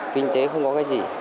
kinh tế không có cái gì